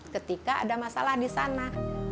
ketika ada masalah di sana